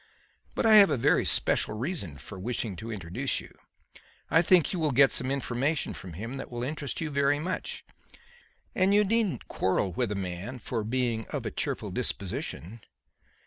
"But I have a very special reason for wishing to introduce you. I think you will get some information from him that will interest you very much; and you needn't quarrel with a man for being of a cheerful disposition."